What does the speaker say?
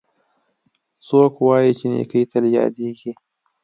څوک وایي چې نیکۍ تل یادیږي